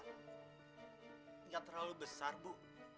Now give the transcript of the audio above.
tingkat terlalu besar bu